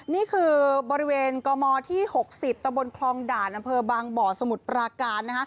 นี่คือบริเวณกมที่๖๐ตะบนคลองด่านอำเภอบางบ่อสมุทรปราการ